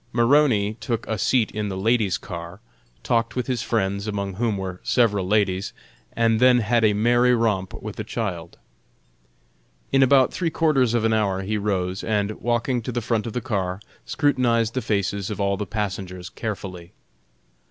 Maroney took a seat in the ladies' car, talked with his friends, among whom were several ladies, and then had a merry romp with a child. In about three quarters of an hour he rose, and, walking to the front of the car, scrutinized the faces of all the passengers carefully.